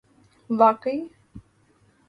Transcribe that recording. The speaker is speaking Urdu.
واقعی